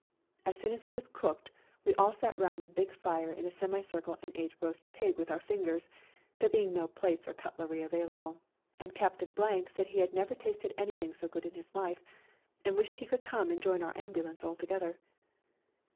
As soon as it was cooked we all sat round the big fire in a semi circle, and ate roast pig with our fingers, there being no plates or cutlery available, and Captain said he had never tasted anything so good in his life, and wished he could come and join our ambulance altogether.